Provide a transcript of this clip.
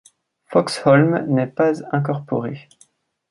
Foxholm n'est pas incorporée.